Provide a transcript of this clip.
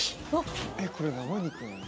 えこれ生肉なの？